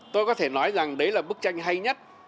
tôi có thể nói rằng đấy là bức tranh hay nhất